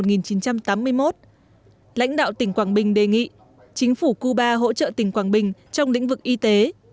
lãnh đạo tỉnh quảng bình đề nghị chính phủ cuba hỗ trợ tỉnh quảng bình trong lĩnh vực y tế